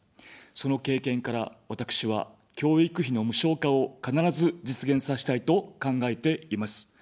その経験から私は教育費の無償化を必ず実現させたいと考えています。